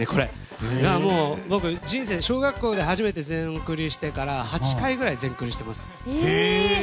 僕、小学校で初めて全クリしてから８回ぐらい全クリしてます。